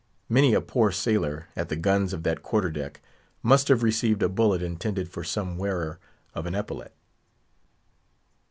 Many a poor sailor, at the guns of that quarter deck, must have received a bullet intended for some wearer of an epaulet.